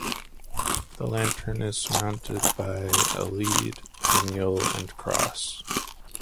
The lantern is surmounted by a lead finial and cross.